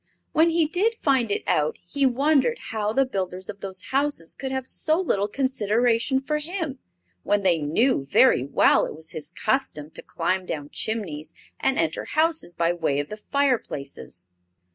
When he did find it out he wondered how the builders of those houses could have so little consideration for him, when they knew very well it was his custom to climb down chimneys and enter houses by way of the fireplaces.